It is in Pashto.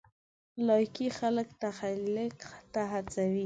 لایکي خلک تخلیق ته هڅوي.